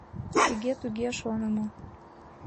Тыге-туге шонымо